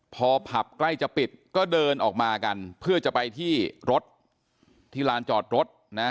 พอผับใกล้จะปิดก็เดินออกมากันเพื่อจะไปที่รถที่ลานจอดรถนะ